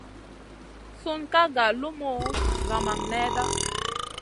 Sun ka nga lumu zamang nèda.